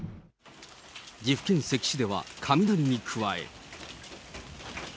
岐阜県関市では、雷に加え。